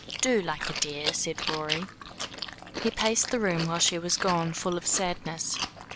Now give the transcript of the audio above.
"Do, like a dear," said Rorie. He paced the room while she was gone, full of sadness.